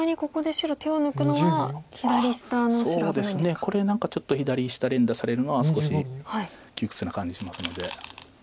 これ何かちょっと左下連打されるのは少し窮屈な感じしますので。